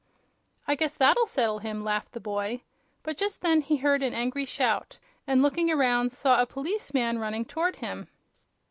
"I guess that'll settle him," laughed the boy; but just then he heard an angry shout, and looking around saw a policeman running toward him.